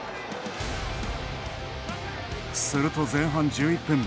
すると、前半１１分。